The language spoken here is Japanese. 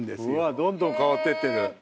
どんどん変わってってる。